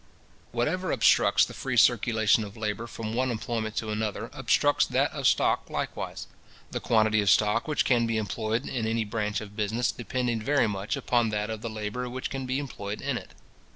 Whatever obstructs the free circulation of labour from one employment to another, obstructs that of stock likewise; the quantity of stock which can be employed in any branch of business depending very much upon that of the labour which can be employed in it.